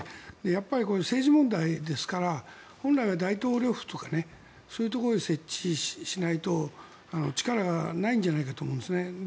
やっぱり政治問題ですから本来は大統領府とかそういうところに設置しないと力がないんじゃないかと思うんです。